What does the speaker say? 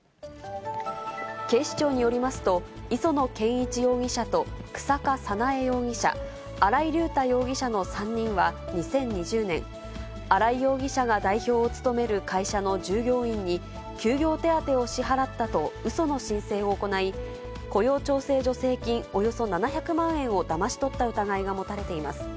警視庁によりますと、磯野賢一容疑者と日下早苗容疑者、新井竜太容疑者の３人は２０２０年、新井容疑者が代表を務める会社の従業員に、休業手当を支払ったとうその申請を行い、雇用調整助成金およそ７００万円をだまし取った疑いが持たれています。